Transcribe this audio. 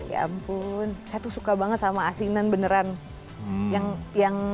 ya ampun saya tuh suka banget sama asingan beneran